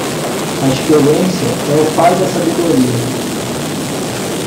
A experiência é o pai da sabedoria.